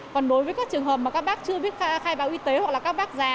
còn đối với các trường hợp mà các bác chưa biết khai báo y tế hoặc là các bác già